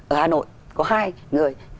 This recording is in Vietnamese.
ở hà nội có hai người